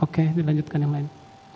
oke dilanjutkan yang lain